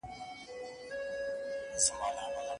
که هره ورځ په املا کي نوې جملې وي.